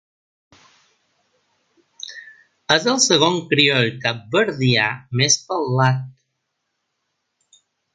És el segon crioll capverdià més parlat.